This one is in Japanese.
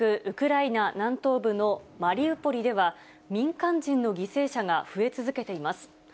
ウクライナ南東部のマリウポリでは、民間人の犠牲者が増え続けています。